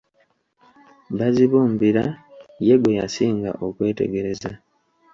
Bazibumbira ye gwe yasinga okwetegereza.